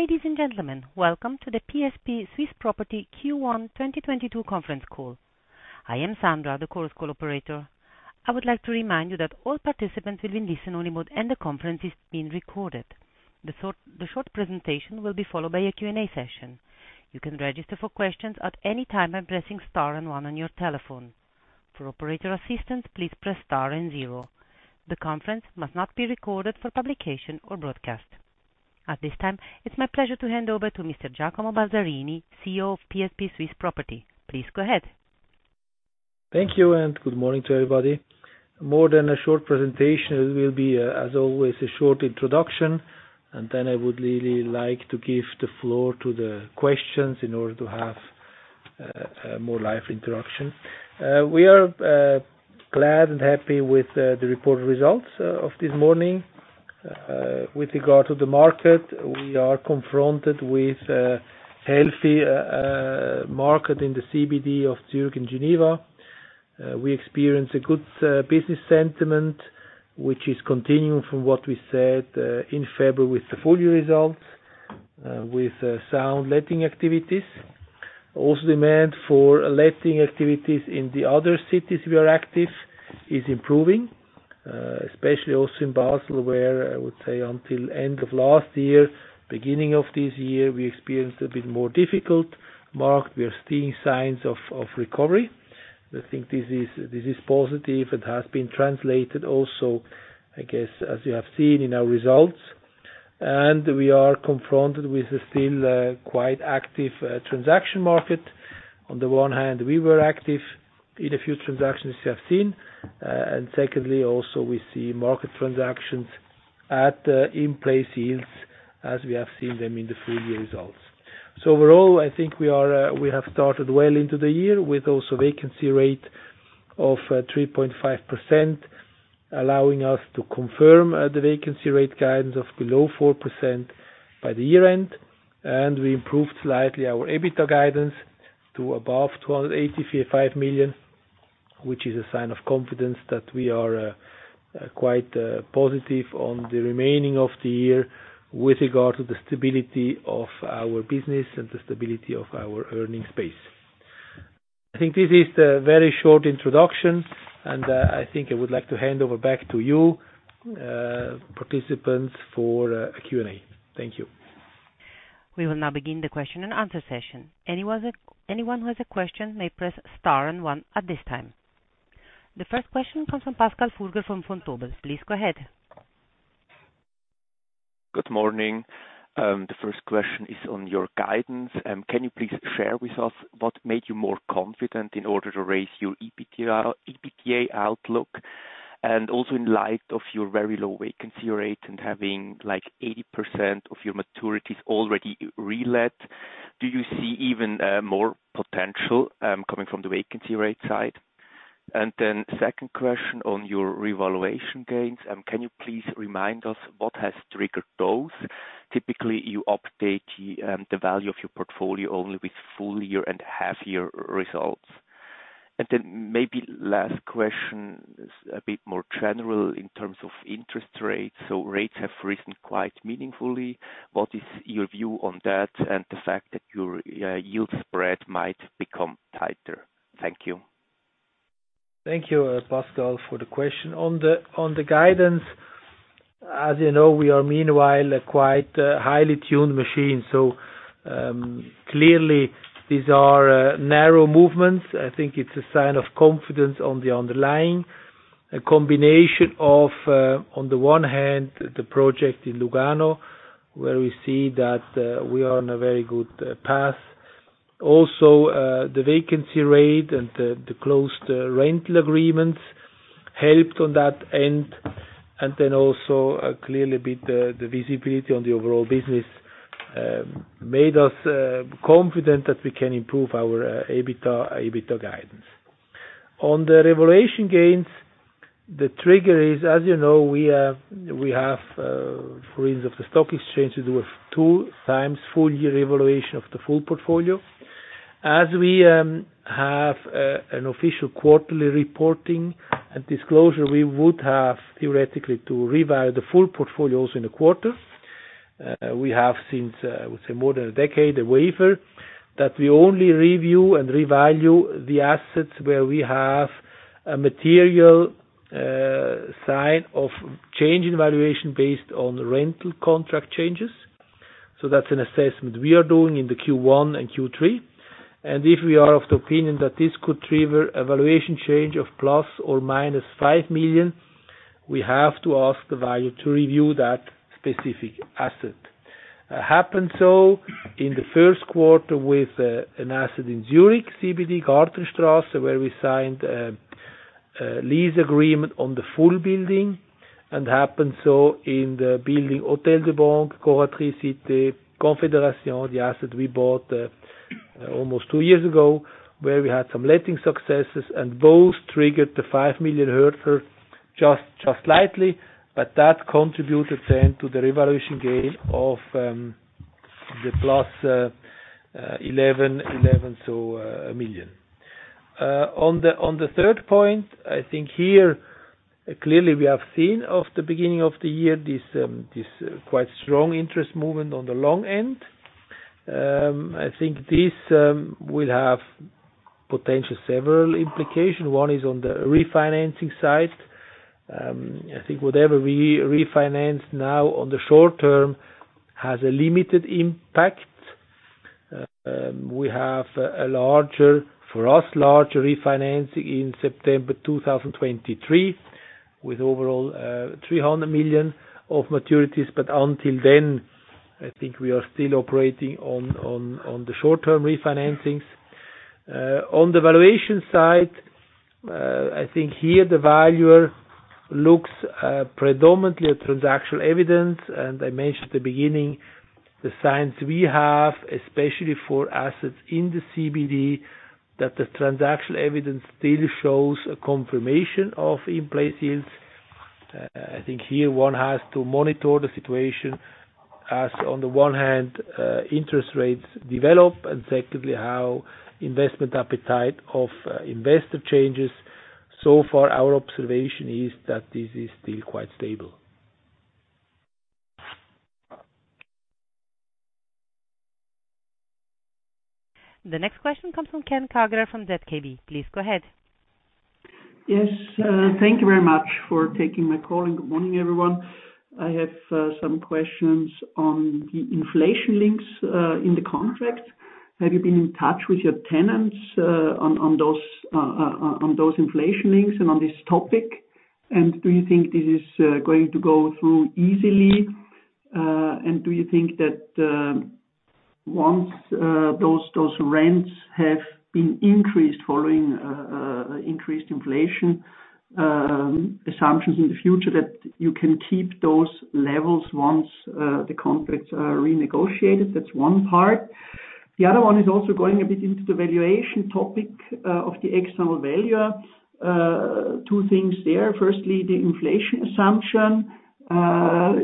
Ladies and gentlemen, welcome to the PSP Swiss Property Q1 2022 conference call. I am Sandra, the Chorus Call operator. I would like to remind you that all participants will be in listen-only mode, and the conference is being recorded. The short presentation will be followed by a Q&A session. You can register for questions at any time by pressing star and one on your telephone. For operator assistance, please press star and zero. The conference must not be recorded for publication or broadcast. At this time, it's my pleasure to hand over to Mr. Giacomo Balzarini, CEO of PSP Swiss Property. Please go ahead. Thank you, and good morning to everybody. More than a short presentation, it will be, as always, a short introduction, and then I would really like to give the floor to the questions in order to have more live interaction. We are glad and happy with the reported results of this morning. With regard to the market, we are confronted with a healthy market in the CBD of Zurich and Geneva. We experience a good business sentiment, which is continuing from what we said in February with the full year results, with sound letting activities. Also, demand for letting activities in the other cities we are active is improving, especially also in Basel, where I would say until end of last year, beginning of this year, we experienced a bit more difficult market. We are seeing signs of recovery. I think this is positive and has been translated also, I guess, as you have seen in our results. We are confronted with a still quite active transaction market. On the one hand, we were active in a few transactions you have seen. Secondly, also we see market transactions at in-place yields as we have seen them in the full year results. Overall, I think we have started well into the year with also vacancy rate of 3.5%, allowing us to confirm the vacancy rate guidance of below 4% by the year end. We improved slightly our EBITDA guidance to above 1,285 million, which is a sign of confidence that we are quite positive on the remainder of the year with regard to the stability of our business and the stability of our earnings base. I think this is the very short introduction, and I think I would like to hand over back to you, participants, for a Q&A. Thank you. We will now begin the question and answer session. Anyone, anyone who has a question may press star and one at this time. The first question comes from Pascal Furger, from Vontobel. Please go ahead. Good morning. The first question is on your guidance. Can you please share with us what made you more confident in order to raise your EBITDA outlook? Also in light of your very low vacancy rate and having like 80% of your maturities already relet, do you see even more potential coming from the vacancy rate side? Then second question on your revaluation gains, can you please remind us what has triggered those? Typically, you update the value of your portfolio only with full year and half year results. Then maybe last question is a bit more general in terms of interest rates. Rates have risen quite meaningfully. What is your view on that and the fact that your yield spread might become tighter? Thank you. Thank you, Pascal, for the question. On the guidance, as you know, we are meanwhile a quite highly tuned machine. Clearly these are narrow movements. I think it's a sign of confidence on the underlying. A combination of, on the one hand, the project in Lugano, where we see that we are on a very good path. Also, the vacancy rate and the closed rental agreements helped on that end. Clearly with the visibility on the overall business made us confident that we can improve our EBITDA guidance. On the revaluation gains, the trigger is, as you know, we have, for instance, the stock exchange, we do two times full-year revaluation of the full portfolio. As we have an official quarterly reporting and disclosure, we would have theoretically to revalue the full portfolios in a quarter. We have since I would say more than a decade, a waiver that we only review and revalue the assets where we have a material sign of change in valuation based on rental contract changes. That's an assessment we are doing in the Q1 and Q3. If we are of the opinion that this could trigger a valuation change of ± 5 million, we have to ask the valuer to review that specific asset. It happened so in the first quarter with an asset in Zurich, CBD Gartenstraße, where we signed a lease agreement on the full building, and happened so in the building Hôtel des Banques, Corraterie Cité, Confédération, the asset we bought almost two years ago, where we had some letting successes. Those triggered the 5 million hurdle slightly. That contributed then to the revaluation gain of plus 11.1 million. On the third point, I think here, clearly we have seen since the beginning of the year, this quite strong interest rate movement on the long end. I think this will have potential several implications. One is on the refinancing side. I think whatever we refinance now on the short term has a limited impact. We have a larger refinancing for us in September 2023, with overall 300 million of maturities. Until then, I think we are still operating on the short-term refinancings. On the valuation side, I think here the valuer looks predominantly at transactional evidence. I mentioned at the beginning, the signs we have, especially for assets in the CBD, that the transactional evidence still shows a confirmation of in-place yields. I think here one has to monitor the situation as on the one hand, interest rates develop, and secondly, how investment appetite of investor changes. Our observation is that this is still quite stable. The next question comes from Ken Kagerer from ZKB. Please go ahead. Yes. Thank you very much for taking my call, and good morning, everyone. I have some questions on the inflation links in the contract. Have you been in touch with your tenants on those inflation links and on this topic? Do you think this is going to go through easily? Do you think that once those rents have been increased following increased inflation assumptions in the future, that you can keep those levels once the contracts are renegotiated? That's one part. The other one is also going a bit into the valuation topic of the external valuer. Two things there. Firstly, the inflation assumption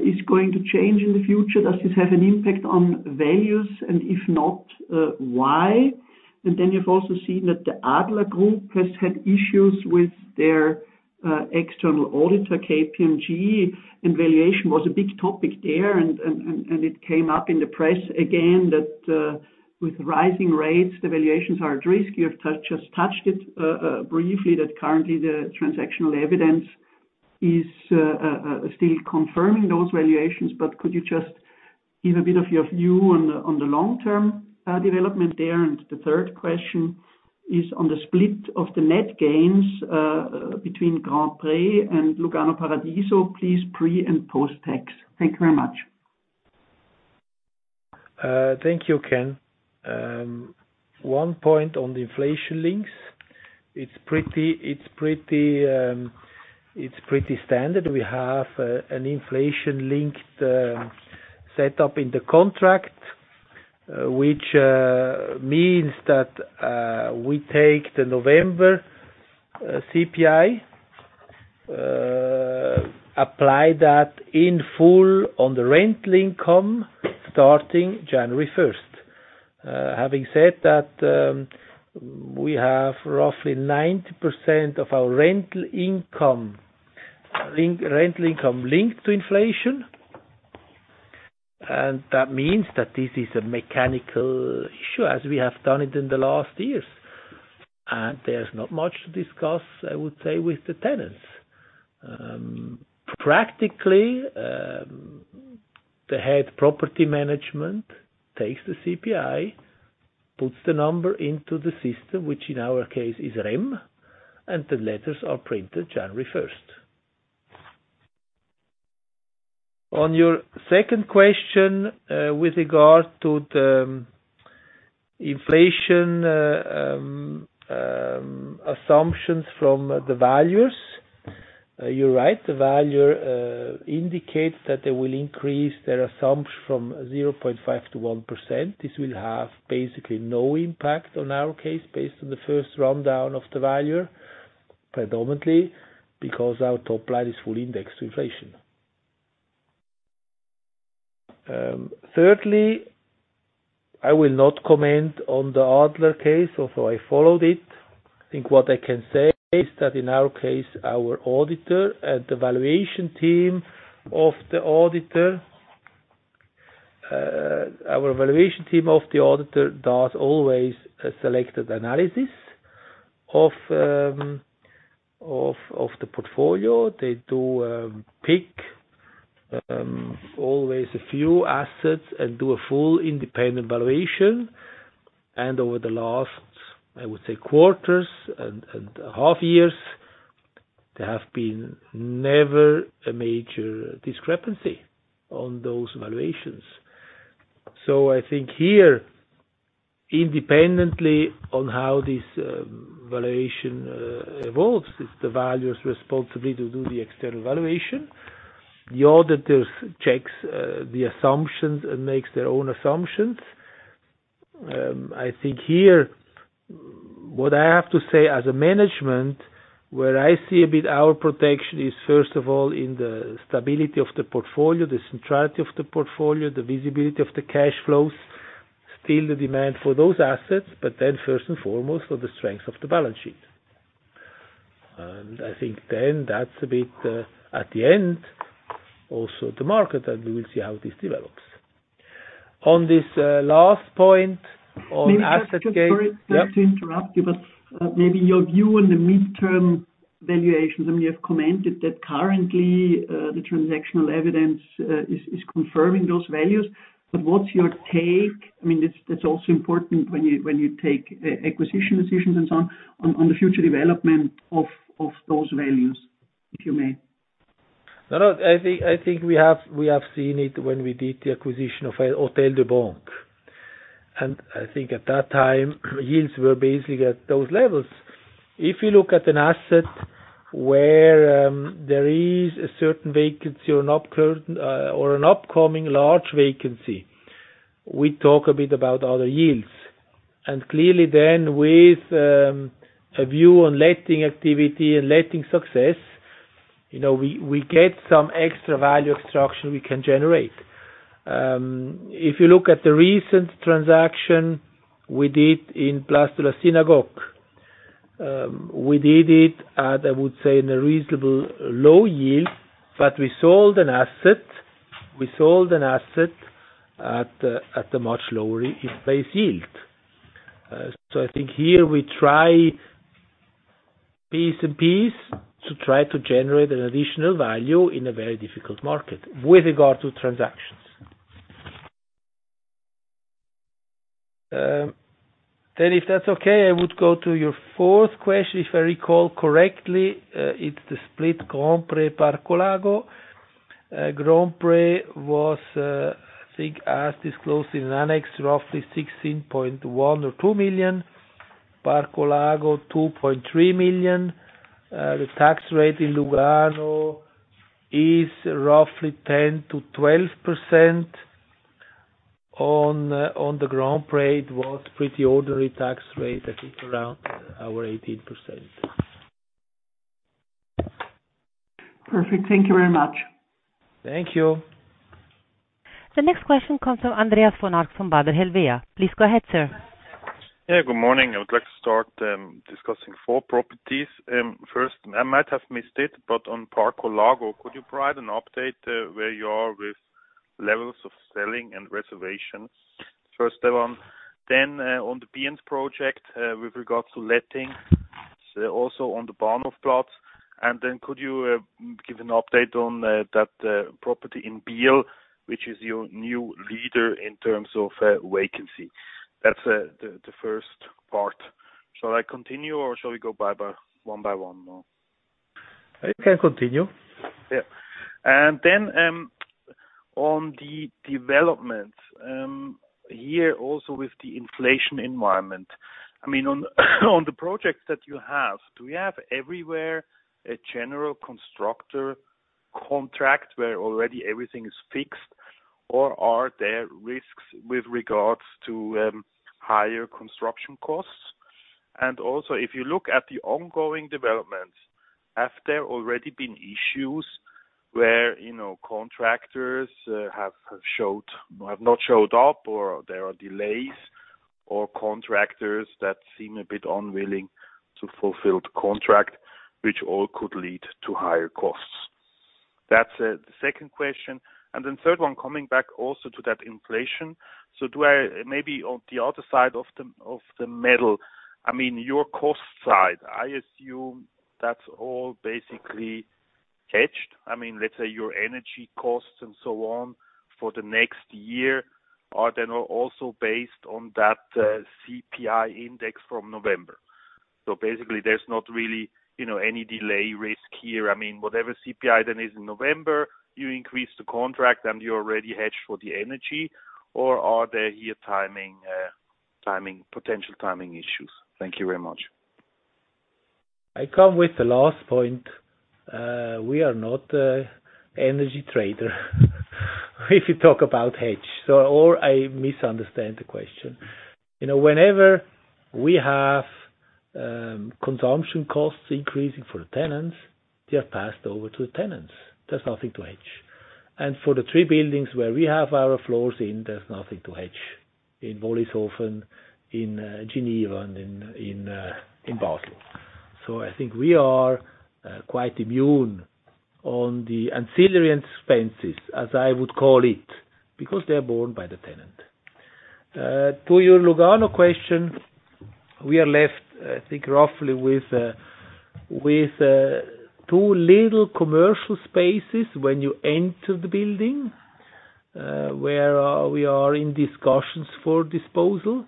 is going to change in the future. Does this have an impact on values, and if not, why? You've also seen that the Adler Group has had issues with their external auditor, KPMG, and valuation was a big topic there. It came up in the press again that with rising rates, the valuations are at risk. You have just touched it briefly, that currently the transactional evidence is still confirming those valuations. Could you just give a bit of your view on the long-term development there? The third question is on the split of the net gains between Grand-Pré and Lugano Paradiso, please pre and post-tax. Thank you very much. Thank you, Ken. One point on the inflation links. It's pretty standard. We have an inflation-linked set up in the contract, which means that we take the November CPI, apply that in full on the rental income starting January first. Having said that, we have roughly 90% of our rental income linked to inflation. That means that this is a mechanical issue, as we have done it in the last years. There's not much to discuss, I would say, with the tenants. Practically, the head property management takes the CPI, puts the number into the system, which in our case is REM, and the letters are printed January first. On your second question, with regard to the inflation assumptions from the values. You're right, the valuer indicates that they will increase their assumptions from 0.5% to 1%. This will have basically no impact on our case based on the first rundown of the valuer, predominantly because our top line is fully indexed to inflation. Thirdly, I will not comment on the Adler case, although I followed it. I think what I can say is that in our case, our auditor and the valuation team of the auditor does always a selected analysis of the portfolio. They do pick always a few assets and do a full independent valuation. Over the last, I would say, quarters and half years, there have been never a major discrepancy on those valuations. I think here, independently on how this, valuation, evolves, it's the valuer's responsibility to do the external valuation. The auditors checks, the assumptions and makes their own assumptions. I think here, what I have to say as a management, where I see a bit our protection is first of all in the stability of the portfolio, the centrality of the portfolio, the visibility of the cash flows, still the demand for those assets, but then first and foremost, for the strength of the balance sheet. I think then that's a bit, at the end, also the market, and we will see how this develops. On this, last point on asset gate- Maybe just very fast to interrupt you, but maybe your view on the midterm valuations. I mean, you have commented that currently the transactional evidence is confirming those values. What's your take? I mean, that's also important when you take acquisition decisions and so on the future development of those values, if you may. No, no. I think we have seen it when we did the acquisition of Hôtel des Banques. I think at that time, yields were basically at those levels. If you look at an asset where there is a certain vacancy or an upcoming large vacancy, we talk a bit about other yields. Clearly then with a view on letting activity and letting success, you know, we get some extra value extraction we can generate. If you look at the recent transaction we did in Place de la Synagogue, we did it at, I would say, a reasonably low yield, but we sold an asset at a much lower in-place yield. I think here we try piece by piece to try to generate an additional value in a very difficult market with regard to transactions. If that's okay, I would go to your fourth question. If I recall correctly, it's the split Grand-Pré Parco Lago. Grand-Pré was, I think as disclosed in the annex, roughly 16.1-2 million. Parco Lago, 2.3 million. The tax rate in Lugano is roughly 10%-12%. On the Grand-Pré it was pretty ordinary tax rate, I think around our 18%. Perfect. Thank you very much. Thank you. The next question comes from Andreas von Arx from Baader Helvea. Please go ahead, sir. Yeah, good morning. I would like to start discussing four properties. First, I might have missed it, but on Parco Lago, could you provide an update where you are with levels of selling and reservations? First of all. Then, on the Biel project, with regards to letting, also on the Bahnhofplatz. And then could you give an update on that property in Biel, which is your new leader in terms of vacancy? That's the first part. Shall I continue or shall we go by one by one, no? You can continue. Yeah. On the development, here also with the inflation environment. I mean, on the projects that you have, do you have everywhere a general contractor contract where already everything is fixed or are there risks with regards to higher construction costs? Also, if you look at the ongoing developments, have there already been issues where, you know, contractors have not showed up, or there are delays or contractors that seem a bit unwilling to fulfill the contract, which all could lead to higher costs? That's the second question. Third one, coming back also to that inflation. Maybe on the other side of the medal. I mean, your cost side, I assume that's all basically hedged. I mean, let's say your energy costs and so on for the next year are then also based on that CPI index from November. Basically, there's not really, you know, any delay risk here. I mean, whatever CPI then is in November, you increase the contract and you're already hedged for the energy or are there any potential timing issues? Thank you very much. I come with the last point. We are not a energy trader if you talk about hedge. I misunderstand the question. You know, whenever we have consumption costs increasing for the tenants, they are passed over to the tenants. There's nothing to hedge. For the three buildings where we have our floors in, there's nothing to hedge. In Wollishofen, in Geneva, and in Basel. I think we are quite immune on the ancillary expenses, as I would call it, because they're borne by the tenant. To your Lugano question, we are left, I think, roughly with two little commercial spaces when you enter the building, where we are in discussions for disposal,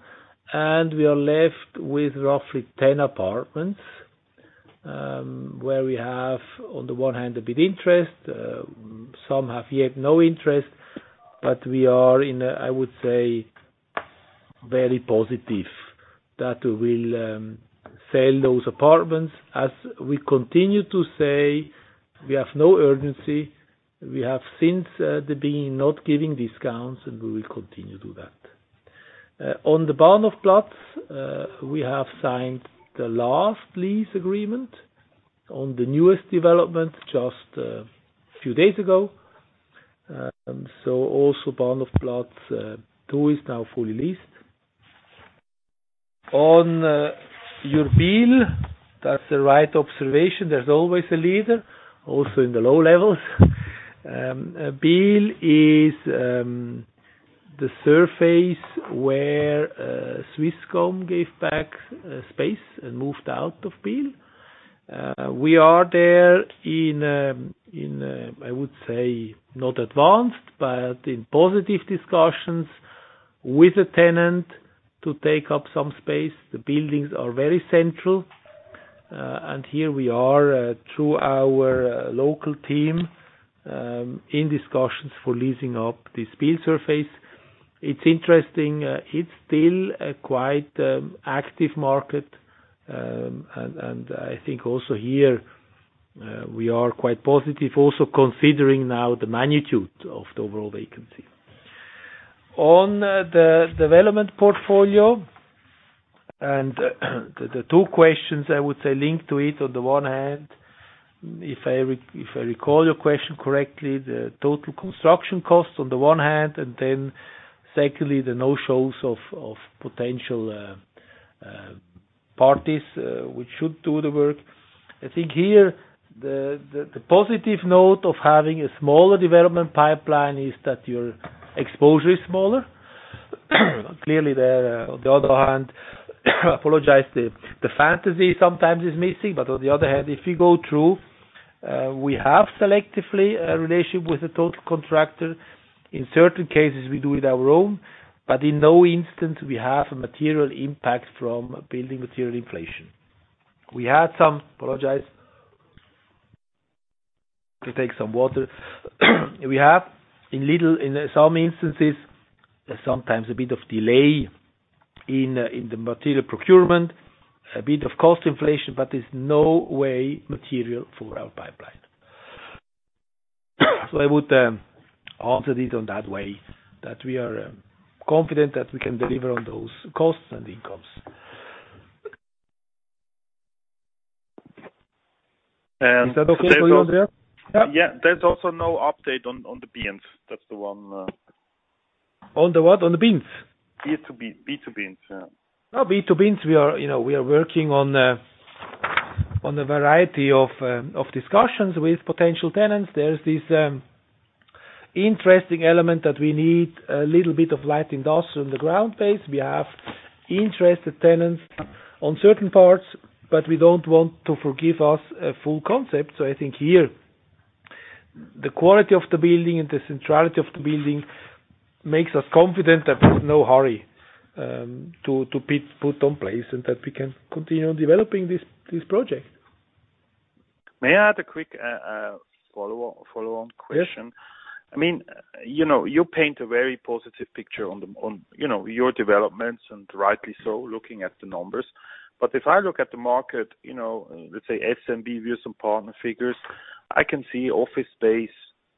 and we are left with roughly 10 apartments, where we have on the one hand a bit interest, some have yet no interest, but we are in a, I would say, very positive. That will sell those apartments. As we continue to say, we have no urgency. We have since the beginning, not giving discounts, and we will continue to do that. On the Bahnhofplatz, we have signed the last lease agreement on the newest development just a few days ago. Also Bahnhofplatz 2 is now fully leased. On your Biel, that's the right observation. There's always a leader, also in the low levels. Biel is the surface where Swisscom gave back space and moved out of Biel. We are there in I would say, not advanced, but in positive discussions with the tenant to take up some space. The buildings are very central, and here we are, through our local team, in discussions for leasing up this Biel surface. It's interesting, it's still a quite active market, and I think also here we are quite positive also considering now the magnitude of the overall vacancy. On the development portfolio and the two questions I would say linked to it on the one hand, if I recall your question correctly, the total construction costs on the one hand, and then secondly, the no-shows of potential parties which should do the work. I think here the positive note of having a smaller development pipeline is that your exposure is smaller. Clearly there, on the other hand, I apologize, the financing sometimes is missing, but on the other hand, if you go through, we have a selective relationship with the local contractor. In certain cases, we do it on our own, but in no instance we have a material impact from building material inflation. In some instances, there's sometimes a bit of delay in the material procurement, a bit of cost inflation, but there's no way material for our pipeline. I would answer it in that way, that we are confident that we can deliver on those costs and incomes. Is that okay for you, Andreas? Yeah. There's also no update on the Biel. That's the one. On the what? On the beans? B to beans. Yeah. We are, you know, working on a variety of discussions with potential tenants. There's this interesting element that we need a little bit of light industry on the ground floor. We have interested tenants on certain parts, but we don't want to forgo a full concept. I think here, the quality of the building and the centrality of the building makes us confident that there's no hurry to put in place and that we can continue developing this project. May I add a quick follow-on question? Yes. I mean, you know, you paint a very positive picture on your developments, and rightly so, looking at the numbers. If I look at the market, you know, let's say SMB, we have some partner figures. I can see office space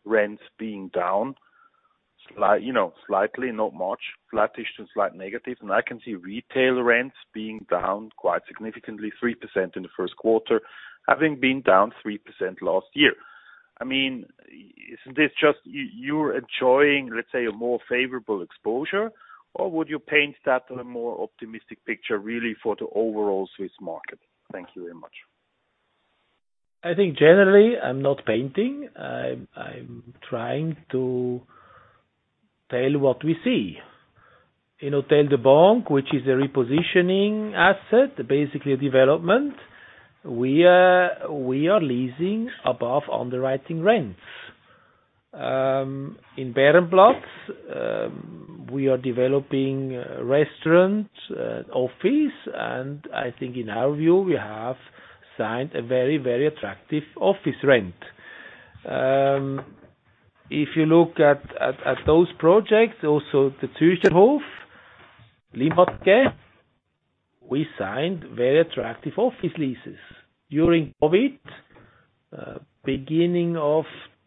rents being down slightly, not much, flat-ish to slightly negative. I can see retail rents being down quite significantly, 3% in the first quarter, having been down 3% last year. I mean, isn't this just you're enjoying, let's say, a more favorable exposure? Or would you paint that on a more optimistic picture, really, for the overall Swiss market? Thank you very much. I think generally I'm not painting. I'm trying to tell what we see. In Hôtel des Banques, which is a repositioning asset, basically a development, we are leasing above underwriting rents. In Bahnhofplatz, we are developing restaurant, office, and I think in our view, we have signed a very, very attractive office rent. If you look at those projects, also the Zürcherhof, Limmatquai, we signed very attractive office leases. During COVID, beginning of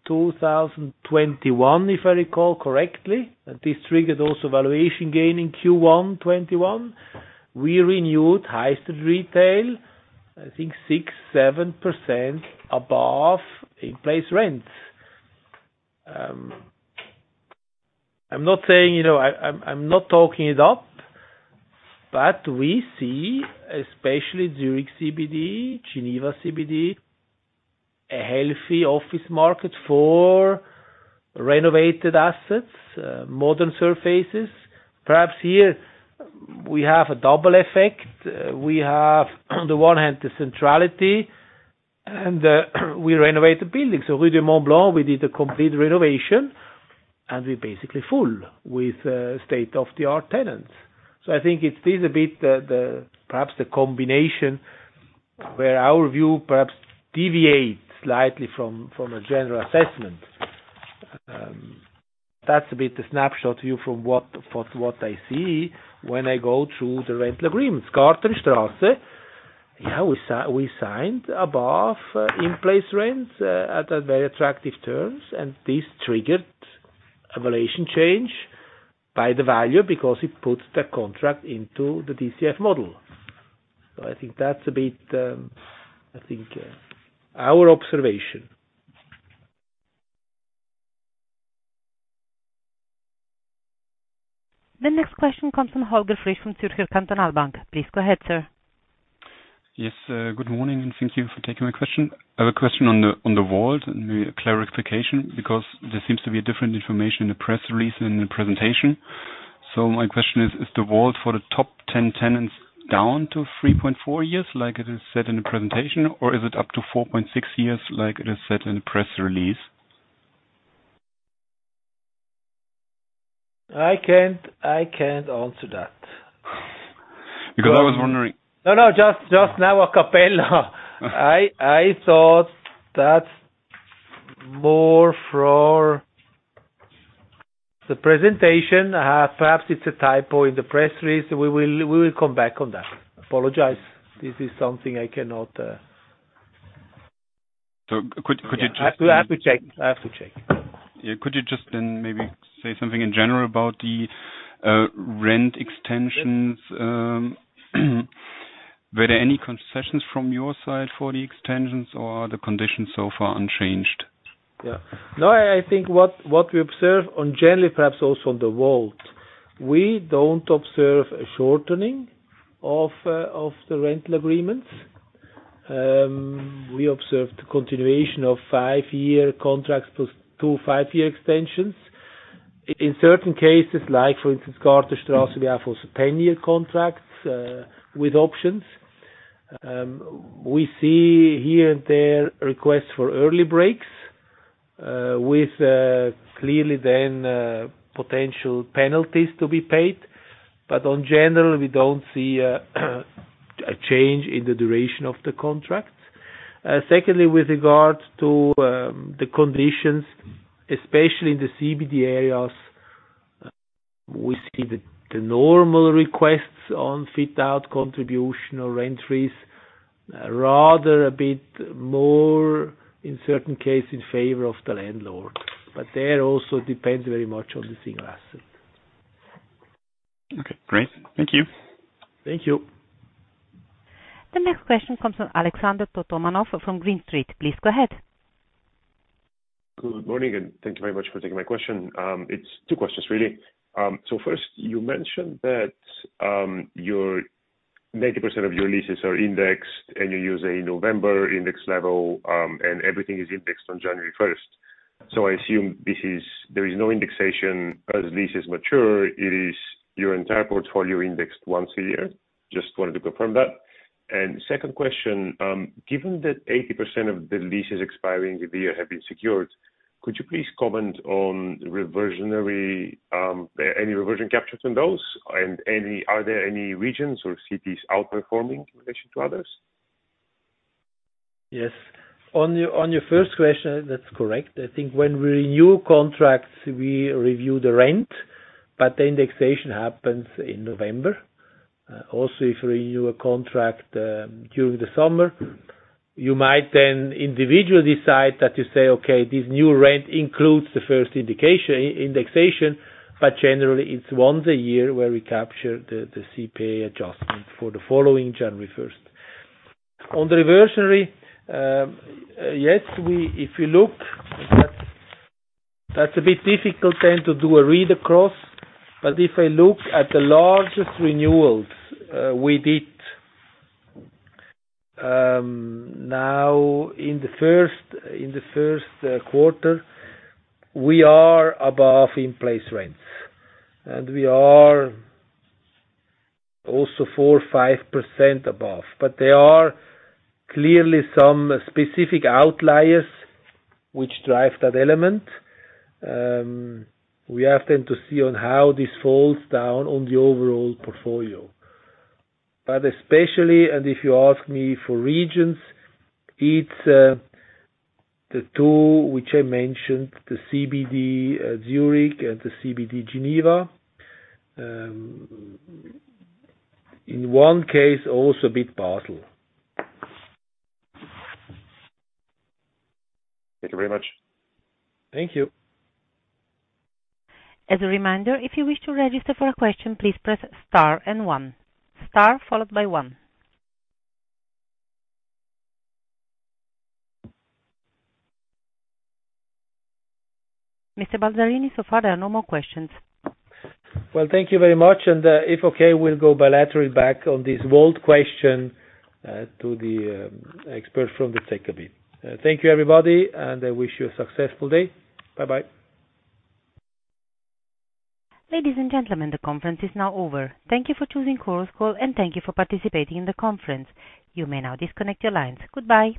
2021, if I recall correctly. This triggered also valuation gain in Q1 2021. We renewed Heuwaage retail, I think 6%-7% above in-place rents. I'm not saying, you know. I'm not talking it up, but we see, especially Zurich CBD, Geneva CBD, a healthy office market for renovated assets, modern surfaces. Perhaps here we have a double effect. We have, on the one hand, the centrality, and we renovate the building. Rue du Mont-Blanc, we did a complete renovation, and we're basically full with state-of-the-art tenants. I think it is a bit perhaps the combination where our view perhaps deviates slightly from a general assessment. That's a bit the snapshot view for what I see when I go through the rental agreements. Gartenstraße, we signed above in-place rent at very attractive terms, and this triggered a valuation change by the valuer because it puts the contract into the DCF model. I think that's a bit our observation. The next question comes from Holger Frisch from Zürcher Kantonalbank. Please go ahead, sir. Yes, good morning, and thank you for taking my question. I have a question on the WALT and a clarification because there seems to be a different information in the press release and in the presentation. My question is the WALT for the top 10 tenants down to three point four years like it is said in the presentation or is it up to 4.6four point six years like it is said in the press release? I can't answer that. Because I was wondering. No. Just now a cappella. I thought that's more for the presentation. Perhaps it's a typo in the press release. We will come back on that. Apologize. This is something I cannot. Could you just? I have to check. Yeah. Could you just then maybe say something in general about the rent extensions. Were there any concessions from your side for the extensions, or are the conditions so far unchanged? Yeah. No, I think what we observe in general, perhaps also on the whole, we don't observe a shortening of the rental agreements. We observed a continuation of five-year contracts plus two five-year extensions. In certain cases, like for instance, Gartenstraße, we have also 10-year contracts with options. We see here and there requests for early breaks with clearly then potential penalties to be paid. In general, we don't see a change in the duration of the contract. Secondly, with regard to the conditions, especially in the CBD areas, we see the normal requests for fit-out contribution or rent increase, rather a bit more, in certain cases, in favor of the landlord. There also depends very much on the single asset. Okay, great. Thank you. Thank you. The next question comes from Alexander Totomanov from Green Street. Please go ahead. Good morning, and thank you very much for taking my question. It's two questions, really. First you mentioned that 90% of your leases are indexed, and you use a November index level, and everything is indexed on January first. There is no indexation as leases mature. It is your entire portfolio indexed once a year. Just wanted to confirm that. Second question, given that 80% of the leases expiring this year have been secured, could you please comment on reversionary any reversion captures on those? Are there any regions or cities outperforming in relation to others? Yes. On your first question, that's correct. I think when we renew contracts, we review the rent, but the indexation happens in November. Also, if you renew a contract during the summer, you might then individually decide that you say, "Okay, this new rent includes the first indexation," but generally, it's once a year where we capture the CPI adjustment for the following January first. On the reversionary, yes, if you look, that's a bit difficult to do a read across, but if I look at the largest renewals we did now in the first quarter, we are above in-place rents. We are also 4%-5% above. There are clearly some specific outliers which drive that element. We have to see on how this falls down on the overall portfolio. Especially, and if you ask me for regions, it's the two which I mentioned, the CBD Zurich and the CBD Geneva. In one case, also a bit Basel. Thank you very much. Thank you. As a reminder, if you wish to register for a question, please press star and one. Star followed by one. Mr. Balzarini, so far there are no more questions. Well, thank you very much. If okay, we'll go bilateral back on this WALT question, to the experts from the ZKB. Thank you, everybody, and I wish you a successful day. Bye-bye. Ladies and gentlemen, the conference is now over. Thank you for choosing Chorus Call, and thank you for participating in the conference. You may now disconnect your lines. Goodbye.